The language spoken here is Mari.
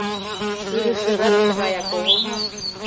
Илышыжат тыгаяк огыл мо?